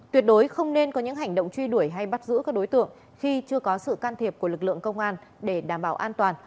tuyệt đối không nên có những hành động truy đuổi hay bắt giữ các đối tượng khi chưa có sự can thiệp của lực lượng công an để đảm bảo an toàn